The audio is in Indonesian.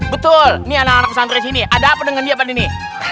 betul ini anak pesantren sini ada apa dengan dia pada ini